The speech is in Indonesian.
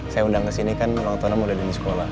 saya undang ke sini kan ulang tahunnya mau datang di sekolah